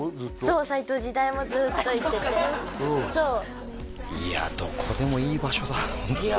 そう斎藤時代もずっと行っててあっそっかそういやどこでもいい場所だいや